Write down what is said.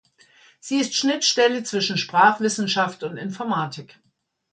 Sie ist Schnittstelle zwischen Sprachwissenschaft und Informatik.